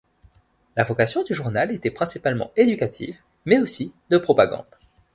La vocation du journal était principalement éducative, mais aussi de propagande.